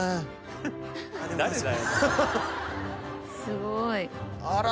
すごい。